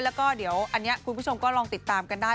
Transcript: แล้วก็เดี๋ยวอันนี้คุณผู้ชมก็ลองติดตามกันได้